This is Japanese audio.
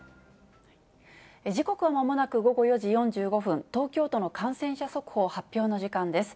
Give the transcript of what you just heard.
時刻はまもなく午後４時４５分、東京都の感染者速報発表の時間です。